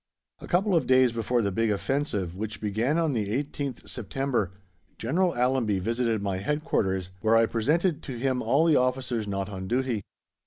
A couple of days before the big offensive which began on the 18th September, General Allenby visited my Headquarters, where I presented to him all the officers not on duty.